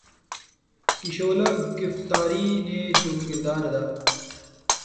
کی شعلہ گفتاری نے جو کردار ادا